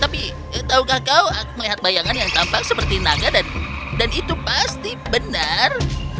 tapi tahukah kau melihat bayangan yang tampak seperti naga dan itu pasti benar